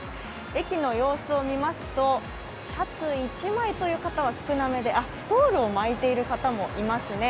駅の様子を見ますと、シャツ１枚という方は少なめで、ストールを巻いている方もいますね。